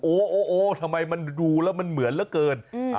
โอ้โหทำไมมันดูแล้วมันเหมือนเหลือเกิน